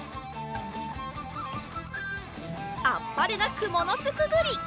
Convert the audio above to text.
あっぱれなくものすくぐり。